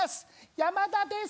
山田です。